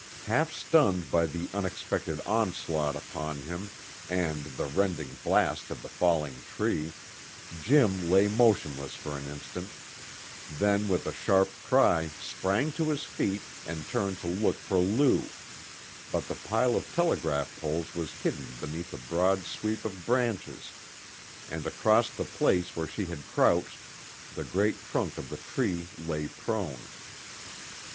Half stunned by the unexpected onslaught upon him and the rending blast of the falling tree, Jim lay motionless for an instant, then with a sharp cry sprang to his feet and turned to look for Lou, but the pile of telegraph poles was hidden beneath a broad sweep of branches and across the place where she had crouched the great trunk of the tree lay prone.